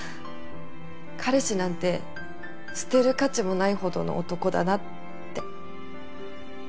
彼氏なんて捨てる価値もないほどの男だなって。